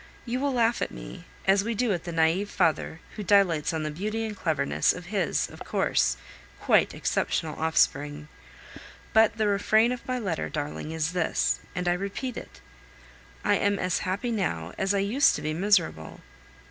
You will laugh at me, as we do at the naive father who dilates on the beauty and cleverness of his (of course) quite exceptional offspring. But the refrain of my letter, darling, is this, and I repeat it: I am as happy now as I used to be miserable.